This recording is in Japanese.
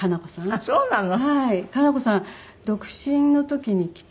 あらそうなの。